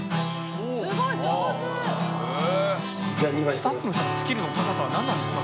スタッフの人のスキルの高さは何なんですか？